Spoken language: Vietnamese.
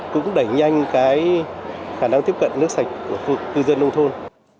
cũng đẩy nhanh cái khả năng tiếp cận nước sạch của cư dân nông thôn